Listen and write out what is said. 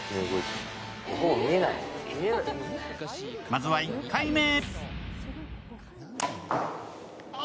まずは１回目。